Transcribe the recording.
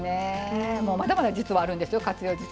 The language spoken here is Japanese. まだまだ実はあるんですよ活用術。